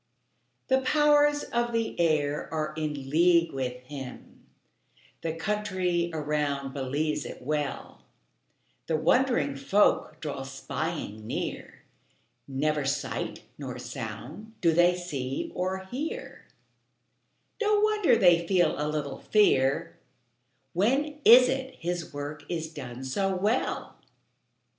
The powers of the air are in league with him; The country around believes it well; The wondering folk draw spying near; Never sight nor sound do they see or hear; No wonder they feel a little fear; When is it his work is done so well?